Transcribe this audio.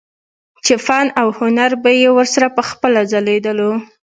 چې فن او هنر به يې ورسره پخپله ځليدلو